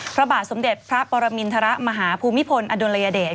พระบาทสมเด็จพระปรมินทรมาหาภูมิพลอดุลยเดช